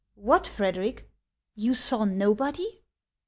" What, Frederic ! You saw nobody